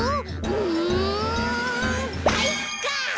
うんかいか！